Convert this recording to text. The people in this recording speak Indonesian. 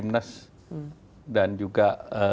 munas dan juga